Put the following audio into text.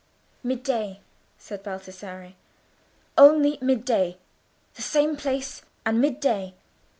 "Mid day," said Baldassarre—"only mid day. The same place, and mid day.